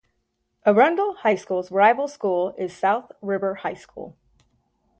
Arundel High School's rival school is South River High School.